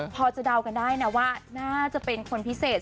พอจะเดากันได้นะว่าน่าจะเป็นคนพิเศษ